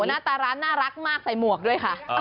หน้าตาร้านน่ารักมากใส่หมวกด้วยค่ะ